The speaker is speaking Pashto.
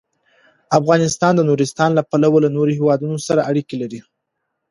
افغانستان د نورستان له پلوه له نورو هېوادونو سره اړیکې لري.